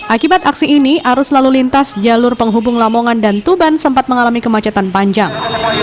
akibat aksi ini arus lalu lintas jalur penghubung lamongan dan tuban sempat mengalami kemacetan panjang